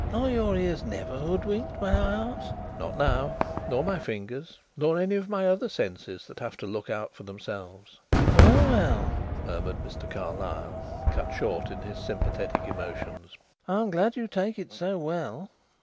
"Are your ears never hoodwinked, may I ask?" "Not now. Nor my fingers. Nor any of my other senses that have to look out for themselves." "Well, well," murmured Mr. Carlyle, cut short in his sympathetic emotions. "I'm glad you take it so well.